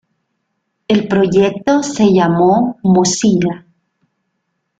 El proyecto se llamó Mozilla.